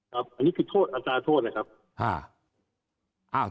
ครับอันนี้คือโทษอาจารย์โทษนะครับ